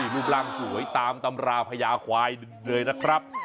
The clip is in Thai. รูปร่างสวยตามตำราพญาควายเลยนะครับ